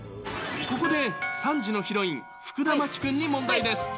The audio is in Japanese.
ここで３時のヒロイン・福田麻貴君に問題です。